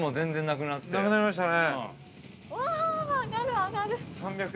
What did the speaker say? ◆なくなりましたね。